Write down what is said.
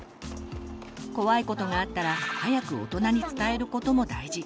怖いことがあったら早く大人に伝えることも大事。